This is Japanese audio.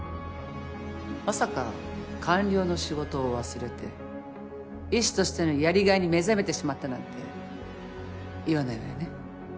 まさか官僚の仕事を忘れて医師としてのやりがいに目覚めてしまったなんて言わないわよね